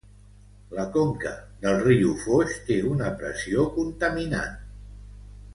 La conca del riu Foix té una pressió contaminant.